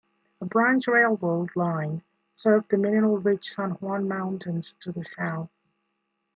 A branch railroad line served the mineral-rich San Juan Mountains to the south.